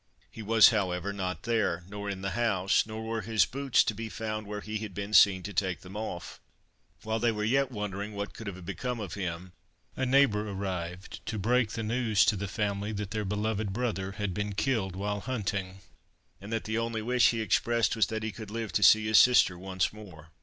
He was, however, not there nor in the house; nor were his boots to be found where he had been seen to take them off. While they were yet wondering what could have become of him, a neighbor arrived to break the news to the family that their beloved brother had been killed while hunting, and that the only wish he expressed was that he could live to see his sister once more.